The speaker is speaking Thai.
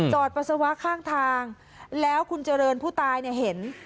ปัสสาวะข้างทางแล้วคุณเจริญผู้ตายเนี่ยเห็น